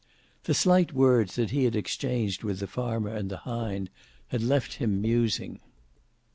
The slight words that he had exchanged with the farmer and the hind had left him musing.